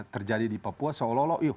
terjadi di papua seolah olah yuk